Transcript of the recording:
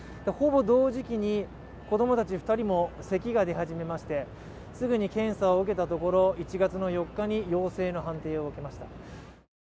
ほぼ同時期に子供たち２人もせきが出始めましてすぐに検査を受けたところ１月４日に陽性の判定を受けました。